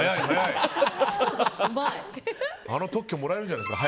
あの特許もらえるんじゃないですか。